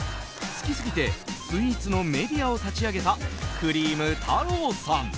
好きすぎてスイーツのメディアを立ち上げたクリーム太朗さん。